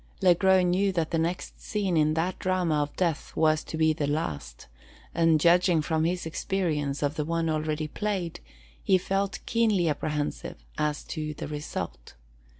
Le Gros knew that the next scene in that drama of death was to be the last; and, judging from his experience of the one already played, he felt keenly apprehensive as to the result.